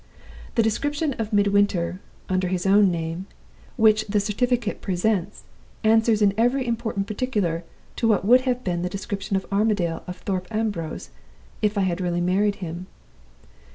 "The description of Midwinter (under his own name) which the certificate presents answers in every important particular to what would have been the description of Armadale of Thorpe Ambrose, if I had really married him.